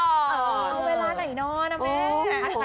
เอาเวลาไหนนอนนะแม่